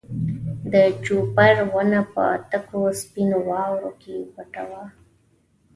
د جوپر ونه په تکو سپینو واورو کې پټه وه.